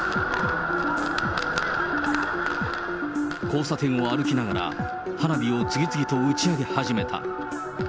交差点を歩きながら花火を次々と打ち上げ始めた。